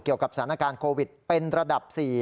เกี่ยวกับสถานการณ์โควิดเป็นระดับ๔